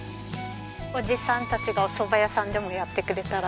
おじさんたちがおそば屋さんでもやってくれたら。